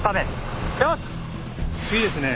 いいですね。